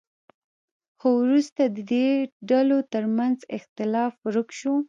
خو وروسته د دې ډلو ترمنځ اختلاف ورک شو.